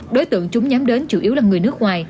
đối tượng chúng nhắm đến chủ yếu là người nước ngoài